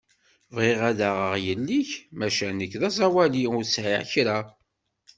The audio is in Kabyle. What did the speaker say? Bɣiɣ ad aɣeɣ yell-ik, maca nekk d aẓawali ur sɛiɣ kra.